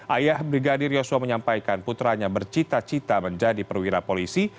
ayah brigadir yosua menyampaikan putranya bercita cita menjadi perwira polisi